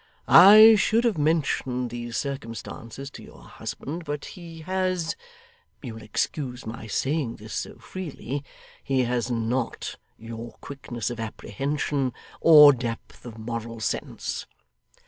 I should have mentioned these circumstances to your husband; but he has you will excuse my saying this so freely he has NOT your quickness of apprehension or depth of moral sense.